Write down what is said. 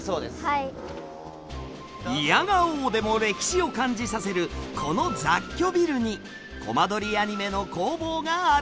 いやがおうでも歴史を感じさせるこの雑居ビルにコマ撮りアニメの工房があるんです。